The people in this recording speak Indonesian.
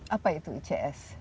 apa itu ics